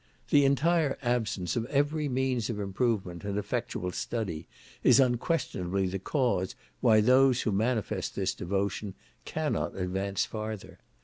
The entire absence of every means of improvement, and effectual study, is unquestionably the cause why those who manifest this devotion cannot advance farther.